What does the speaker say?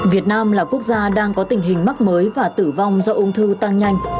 việt nam là quốc gia đang có tình hình mắc mới và tử vong do ung thư tăng nhanh